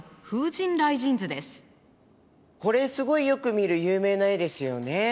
これすごいよく見る有名な絵ですよね。